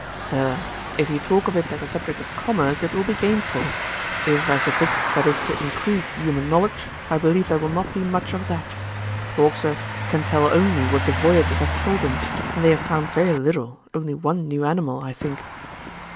'Sir, if you talk of it as a subject of commerce, it will be gainful; if as a book that is to increase human knowledge, I believe there will not be much of that. Hawkesworth can tell only what the voyagers have told him; and they have found very little, only one new animal, I think.'